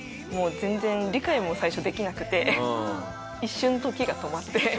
もう全然理解も最初できなくて一瞬時が止まって。